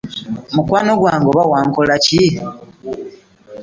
Mukwano gwange oba wankola ki?